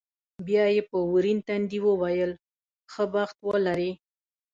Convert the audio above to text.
بیا یې په ورین تندي وویل، ښه بخت ولرې.